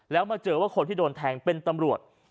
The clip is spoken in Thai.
แล้วมาเจอว่าคนที่โดนแทงเป็นตำรวจ